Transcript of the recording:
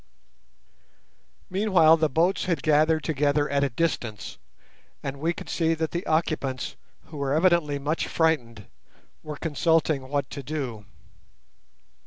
Meanwhile the boats had gathered together at a distance, and we could see that the occupants, who were evidently much frightened, were consulting what to do.